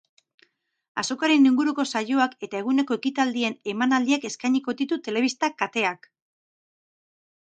Azokaren inguruko saioak eta eguneko ekitaldien emanaldiak eskainiko ditu telebista kateak.